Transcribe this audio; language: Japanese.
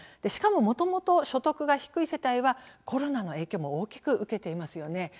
しかも、もともと所得が低い世帯はコロナの影響も大きく受けていますよね。